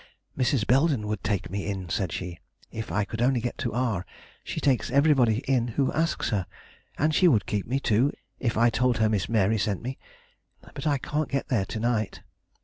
"Mrs. Belden would take me in," said she, "if I could only get to R . She takes everybody in who asks, her; and she would keep me, too, if I told her Miss Mary sent me. But I can't get there to night."